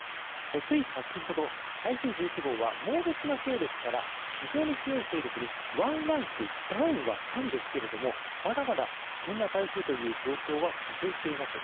つい先ほど台風１１号は猛烈な勢力から非常に強い勢力にワンランク、ダウンはしたんですけどもまだまだ危険な台風という状況は続いています。